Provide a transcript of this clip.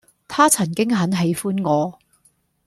她曾經很喜歡我